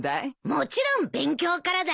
もちろん勉強からだよ。